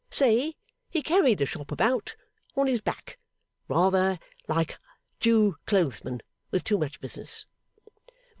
Say he carried the Shop about, on his back rather like Jew clothesmen with too much business.